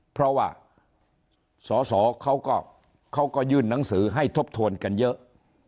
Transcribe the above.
เพราะว่าสอสอเขาก็ยื่นหนังสือให้ทบทวนกันเยอะ